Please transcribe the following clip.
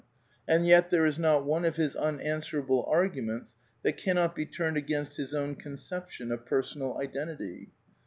And yet there is not one of his unanswerable arguments that cannot be turned against his own conception of Per sonal Identity.